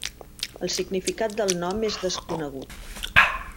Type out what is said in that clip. El significat del nom és desconegut.